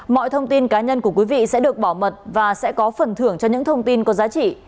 mọi thông tin cá nhân của quý vị sẽ được bảo mật và sẽ có phần thưởng cho những thông tin có giá trị